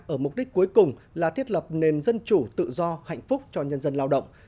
ở mục đích cuối cùng là thiết lập nền dân chủ tự do hạnh phúc cho nhân dân lao động